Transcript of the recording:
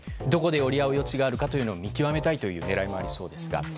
どこで折り合う余地があるかを見極めたいという狙いもありそうですが。